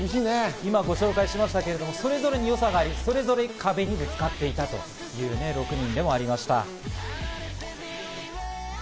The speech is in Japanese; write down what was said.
今、ご紹介しましたけど、それぞれによさがあり、それぞれ壁にぶつかっていたという６人。